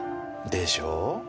でしょ？